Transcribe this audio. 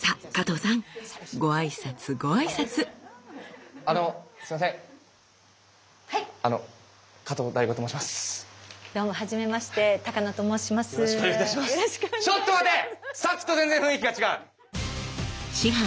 さっきと全然雰囲気が違う。